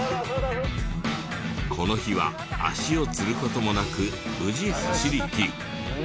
この日は足をつる事もなく無事走りきり。